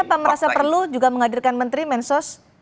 kenapa merasa perlu juga menghadirkan menteri mensos